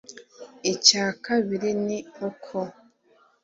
Icya kabili ni uko